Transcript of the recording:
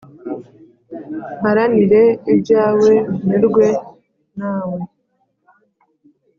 mparanire ibyawe nyurwe na we